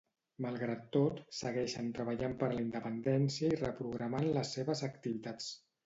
Malgrat tot, segueixen treballant per la independència i reprogramant les seves activitats.